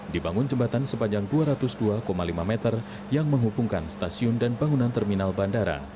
dibangun jembatan sepanjang dua ratus dua lima meter yang menghubungkan stasiun dan bangunan terminal bandara